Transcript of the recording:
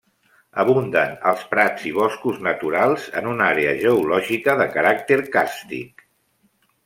Abunden els prats i boscos naturals en una àrea geològica de caràcter càrstic.